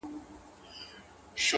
ها د ښكلا شاپېرۍ هغه د سكون سهزادگۍ؛